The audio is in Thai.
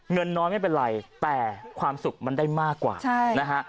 เงินน้อยไม่เป็นไรแต่ความสุขมันได้มากกว่านะฮะ